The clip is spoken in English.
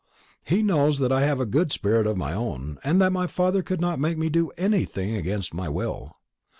He knows that I have a good spirit of my own, and that my father could not make me do anything against my will.